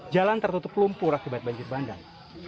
jalan tertutup lumpur akibat banjir bandang